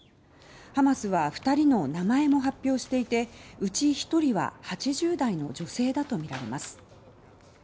ハマスは２人の名前も発表していてうち１人は８０代の女性だとみられます。